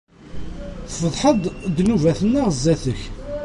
Tfeḍḥeḍ-d ddnubat-nneɣ sdat-k.